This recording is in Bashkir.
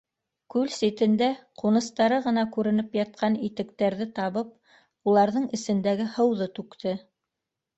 Күл ситендә ҡуныстары ғына күренеп ятҡан итектәрҙе табып, уларҙың эсендәге һыуҙы түкте.